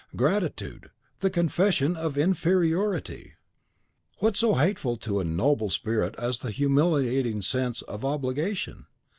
Gratitude, the confession of inferiority! What so hateful to a noble spirit as the humiliating sense of obligation?